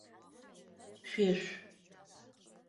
Шъуешъу!